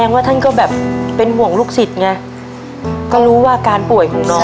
ว่าท่านก็แบบเป็นห่วงลูกศิษย์ไงก็รู้ว่าการป่วยของน้อง